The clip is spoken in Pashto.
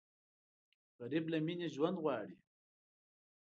غریب له مینې ژوند غواړي